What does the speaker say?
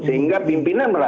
sehingga pimpinan merasa